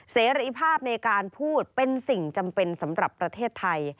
เสรีภาพในการพูดเป็นสิ่งจำเป็นสำหรับประเทศไทย